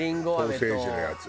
ソーセージのやつ。